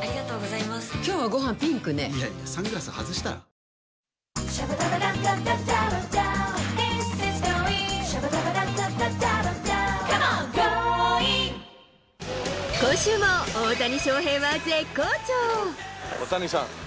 この後今週も大谷翔平は絶好調。